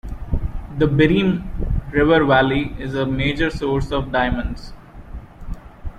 The Birim river valley is a major source of diamonds.